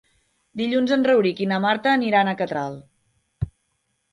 Dilluns en Rauric i na Marta aniran a Catral.